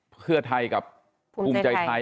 เพื่อไทยกับภูมิใจไทย